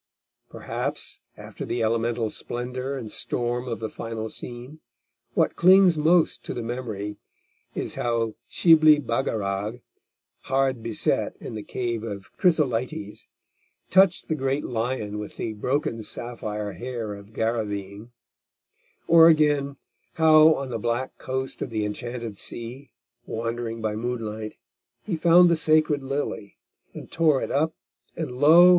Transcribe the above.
Perhaps, after the elemental splendour and storm of the final scene, what clings most to the memory is how Shibli Bagarag, hard beset in the Cave of Chrysolites, touched the great lion with the broken sapphire hair of Garraveen; or again, how on the black coast of the enchanted sea, wandering by moonlight, he found the sacred Lily, and tore it up, and lo!